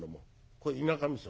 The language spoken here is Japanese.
これ田舎みそ。